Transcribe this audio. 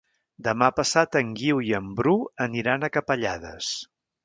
Demà passat en Guiu i en Bru aniran a Capellades.